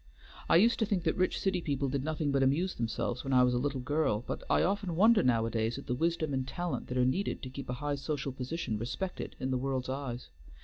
I used to think that rich city people did nothing but amuse themselves, when I was a little girl; but I often wonder nowadays at the wisdom and talent that are needed to keep a high social position respected in the world's eyes.